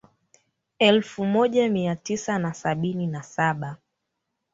elfu moja mia tisa na sabini na saba